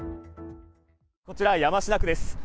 こちら、山科区です。